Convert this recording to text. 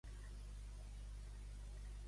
I quants té JxCat?